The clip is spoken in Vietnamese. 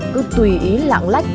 cứ tùy ý lạng lách